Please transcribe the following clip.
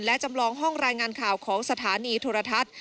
และจำลองห้องรายงานข่าวของสถานีโทรทัศน์